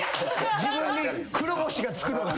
自分に黒星がつくのが。